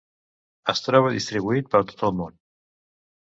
Es troba distribuït per tot el món.